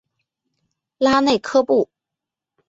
拉内科布。